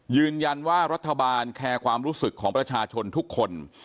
ยืนยันว่ารัฐบาลแคร์ความรู้สึกของประชาชนทุกคน